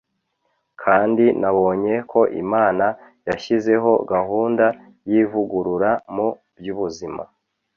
kandi nabonye ko imana yashyizeho gahunda y'ivugurura mu by'ubuzima